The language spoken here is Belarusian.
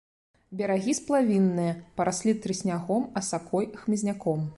Берагі сплавінныя, параслі трыснягом, асакой, хмызняком.